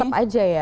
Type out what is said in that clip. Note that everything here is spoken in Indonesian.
tetap aja ya